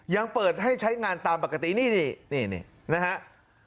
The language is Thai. ยังเปิดให้ใช้งานตามปกตินี่นะครับ